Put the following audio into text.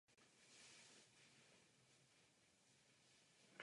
Hodnoty byly maximálně čtyřikrát vyšší než povolené množství.